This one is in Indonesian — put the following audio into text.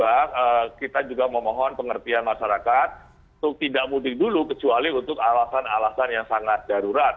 dan kita juga memohon pengertian masyarakat untuk tidak mudik dulu kecuali untuk alasan alasan yang sangat jarurat